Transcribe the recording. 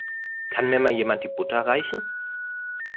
Kann mir mal jemand die Butter reichen?